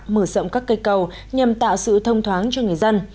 mở rộng các cây cầu nhằm tạo sự thông thoáng cho người dân